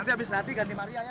siapa itu tadi ya